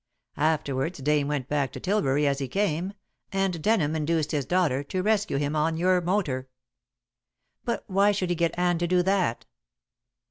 Afterwards Dane went back to Tilbury as he came, and Denham induced his daughter to rescue him on your motor." "But why should he get Anne to do that?"